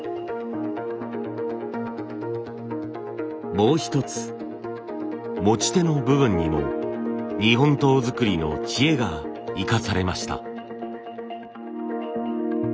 もう一つ持ち手の部分にも日本刀づくりの知恵が生かされました。